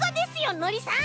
のりさん！